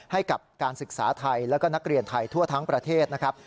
ให้กับการศึกษาไทยแล้วก็นักเรียนไทยทั่วทั้งประเทศนะครับ